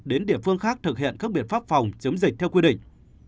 đến địa phương khác thực hiện các biện pháp phòng chống dịch theo quy định